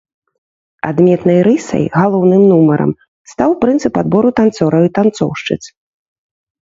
Адметнай рысай, галоўным нумарам, стаў прынцып адбору танцораў і танцоўшчыц.